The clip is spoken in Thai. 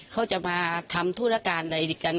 เขาจะมาทำธุรการใดกัน